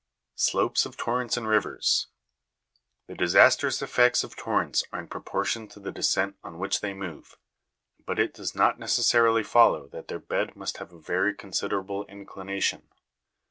14. Slopes of torrents and rivers. The disastrous effects of torrents are in proportion to the descent on which they move ; but it does not necessarily follow that their bed must have a very con siderable inclination.